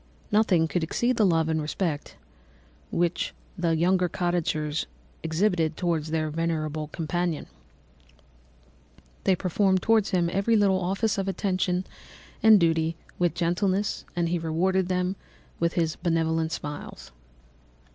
Nothing could exceed the love and respect which the younger cottagers exhibited towards their venerable companion. They performed towards him every little office of affection and duty with gentleness, and he rewarded them by his benevolent smiles.